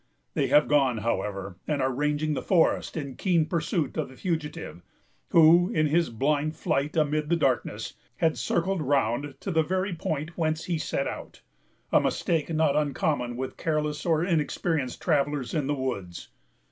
They have gone, however, and are ranging the forest, in keen pursuit of the fugitive, who, in his blind flight amid the darkness, had circled round to the very point whence he set out; a mistake not uncommon with careless or inexperienced travellers in the woods.